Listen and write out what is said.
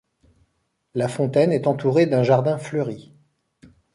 La fontaine est entourée d'un jardin fleuri.